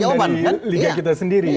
itu jawaban dari liga kita sendiri